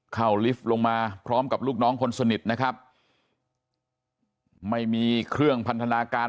ลิฟต์ลงมาพร้อมกับลูกน้องคนสนิทนะครับไม่มีเครื่องพันธนาการ